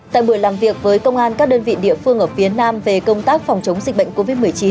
tại buổi làm việc với công an các đơn vị địa phương ở phía nam về công tác phòng chống dịch bệnh covid một mươi chín